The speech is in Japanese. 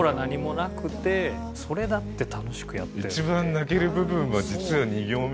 一番泣ける部分は実は２行目。